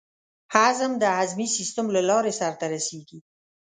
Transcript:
هضم د هضمي سیستم له لارې سر ته رسېږي.